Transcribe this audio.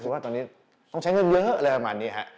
หรือว่าตอนนี้ต้องใช้เยอะอะไรประมาณนี้